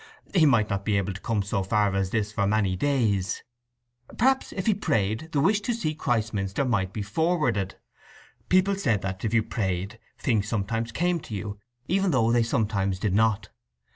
He might not be able to come so far as this for many days. Perhaps if he prayed, the wish to see Christminster might be forwarded. People said that, if you prayed, things sometimes came to you, even though they sometimes did not.